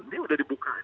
ini udah dibuka